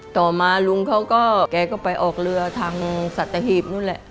ต่อมาลุงเขาก็แกก็ไปออกเรือทางสัตหีบนู่นแหละ